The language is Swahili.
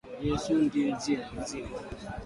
Yesu Ndiye njia ya uzima.